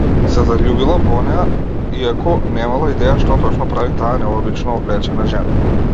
Се заљубила во неа, иако немала идеја што точно прави таа необично облечена жена.